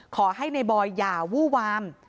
ขอให้ในบอยอย่าวู้วาม